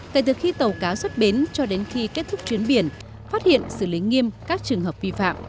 kể từ khi tàu cá xuất bến cho đến khi kết thúc chuyến biển phát hiện xử lý nghiêm các trường hợp vi phạm